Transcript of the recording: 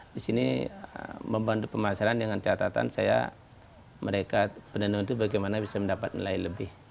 di sini membantu pemasaran dengan catatan saya mereka penenun itu bagaimana bisa mendapat nilai lebih